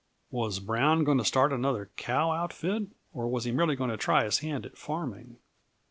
Was Brown going to start another cow outfit, or was he merely going to try his hand at farming?